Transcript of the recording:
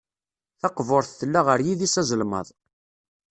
Taqburt tella ɣer yidis azelmaḍ.